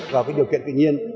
vào cái điều kiện tự nhiên